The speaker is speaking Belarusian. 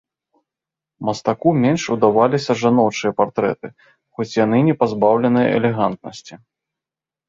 Мастаку менш удаваліся жаночыя партрэты, хоць яны не пазбаўленыя элегантнасці.